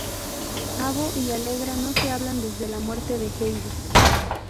Avo y Allegra no se hablan desde la muerte de Heidi.